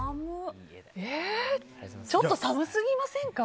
ちょっと寒すぎませんか？